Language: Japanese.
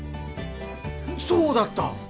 そうだった！